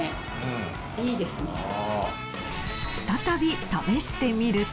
再び試してみると。